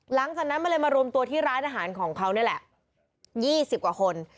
หลังจากนั้นมันเลยมารวมตัวที่ร้านอาหารของเขานี่แหละ๒๐กว่าคน